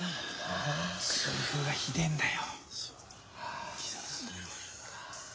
痛風がひでえんだよ。